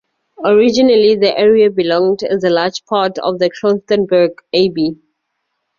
Originally, the area belonged as a large part of the Klosterneuburg Abbey.